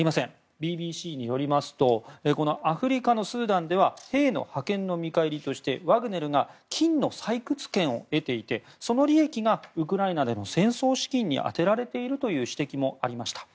ＢＢＣによりますとアフリカのスーダンでは兵の派遣の見返りとしてワグネルが金の採掘権を得ていてその利益がウクライナでの戦争資金に充てられているという指摘もありました。